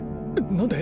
何で？